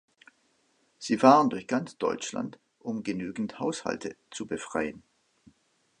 Sie fahren durch ganz Deutschland, um genügend Haushalte „zu befreien“.